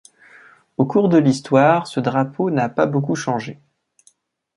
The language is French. Au cours de l'histoire, ce drapeau n'a pas beaucoup changé.